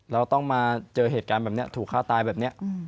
เราต้องมาเจอเหตุการณ์แบบนี้ถูกฆ่าตายแบบนี้